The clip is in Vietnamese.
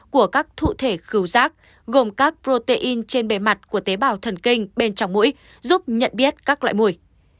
của các thụ thể khứu giác gồm các protein trên bề mặt của tế bào thần kinh bên trong mũi giúp nhận biết các loại mũi